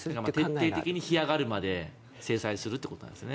決定的に干上がるまで制裁をするということなんですね。